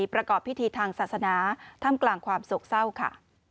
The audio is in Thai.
ประกอบพิธีทางศาสนาท่ามกลางความโศกเศร้าค่ะ